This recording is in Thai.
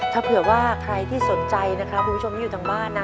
ถ้าเผื่อว่าใครที่สนใจนะครับคุณผู้ชมที่อยู่ทางบ้านนะ